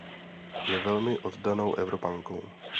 Je velmi oddanou Evropankou.